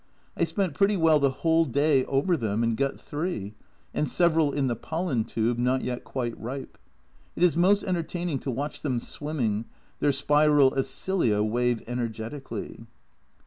I spent pretty well the whole day over them, and got three, and several in the pollen tube, not yet quite ripe. It is most entertaining to watch them swimming, their spiral of cilia wave energetically.